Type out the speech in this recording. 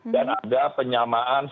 dan ada penyamaan standar